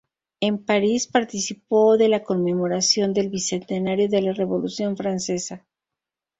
En París participó de la conmemoración del bicentenario de la Revolución francesa.